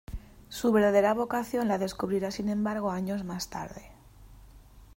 Su verdadera vocación la descubrirá, sin embargo, años más tarde.